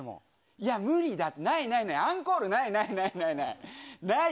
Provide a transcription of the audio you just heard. いや無理だって、ないないない、アンコール、ないないない。